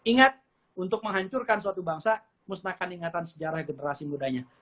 ingat untuk menghancurkan suatu bangsa musnahkan ingatan sejarah generasi mudanya